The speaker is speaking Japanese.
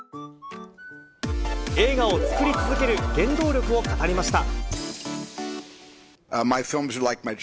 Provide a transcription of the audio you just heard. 映画を作り続ける原動力を語りました。